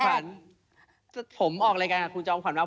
คุณจอมขวัญผมออกรายการกับคุณจอมขวัญมา